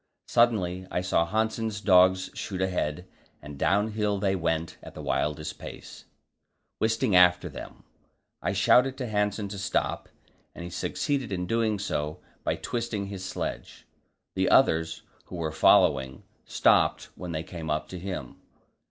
Suddenly I saw Hanssen's dogs shoot ahead, and downhill they went at the wildest pace, Wisting after them. I shouted to Hanssen to stop, and he succeeded in doing so by twisting his sledge. The others, who were following, stopped when they came up to him.